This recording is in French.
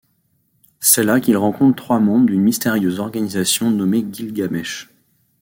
C'est là qu'ils rencontrent trois membres d'une mystérieuse organisation nommée Gilgamesh.